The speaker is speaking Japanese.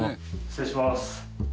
失礼します。